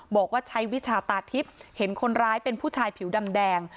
บอกว่าใช้วิชาตาทิพย์เห็นคนร้ายเป็นผู้ชายผิวดำแดง